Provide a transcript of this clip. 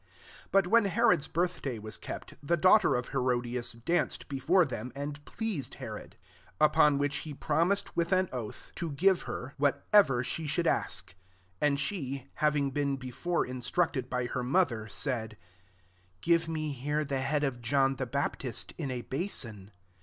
6 But when Herod's birthday was kept, the daugh ter of Herodias danced before them and pleased Herod. 7 Upon which he promised with an oath to give her whatev^" 46 MATTHEW XIV. she should ask. 8 And she, having been before instructed bj her mother, said, << Give me here the head of John the Bap tist in a basin."